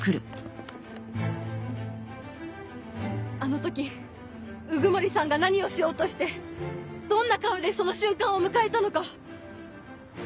・あの時鵜久森さんが何をしようとしてどんな顔でその瞬間を迎えたのか。